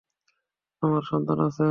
আমার সন্তান আছে।